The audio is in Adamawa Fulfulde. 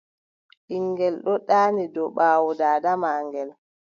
Ɓiŋngel ɗon ɗaani dow ɓaawo daada maagel.